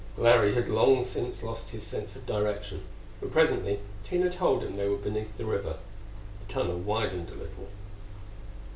Larry had long since lost his sense of direction, but presently Tina told him that they were beneath the river. The tunnel widened a little.